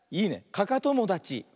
かかともだち。